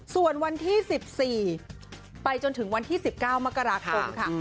ส่วนวันที่๑๔ไปจนถึงวันที่๑๙มกราคมค่ะ